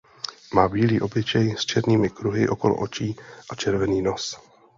Má bílý obličej s černými kruhy okolo očí a červený nos.